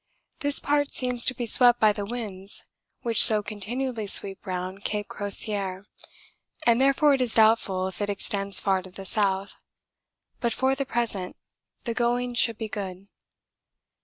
This part seems to be swept by the winds which so continually sweep round Cape Crozier, and therefore it is doubtful if it extends far to the south, but for the present the going should be good.